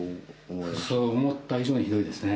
思った以上にひどいですね。